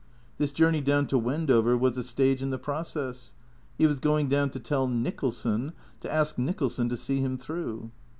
This journey down to Wendover was a stage in the process. He was going down to tell Nicholson, to ask Nicholson to see him through.